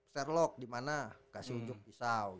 sherlock dimana kasih ujuk pisau